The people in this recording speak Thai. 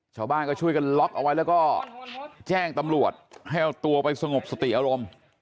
ชาวบ้านก็ช่วยกันล็อกเอาไว้แล้วก็แจ้งตำรวจให้เอาตัวไปสงบสติอารมณ์